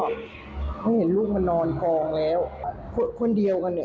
เขาเห็นลูกมานอนกองแล้วคนเดียวกันเนี่ย